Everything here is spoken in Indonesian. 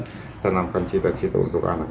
kita tidak bisa menenangkan cita cita untuk anak